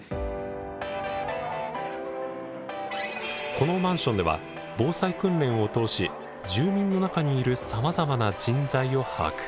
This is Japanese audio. このマンションでは防災訓練を通し住民の中にいるさまざまな人材を把握。